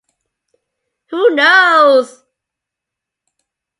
Who knows?